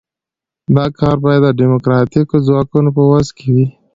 دا کار باید د ډیموکراتیکو ځواکونو په وس کې وي.